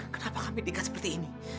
kenapa kami dekat seperti ini